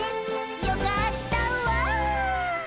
「よかったわ」